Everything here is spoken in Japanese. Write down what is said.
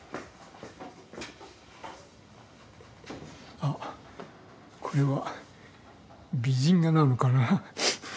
あっこれは美人画なのかな。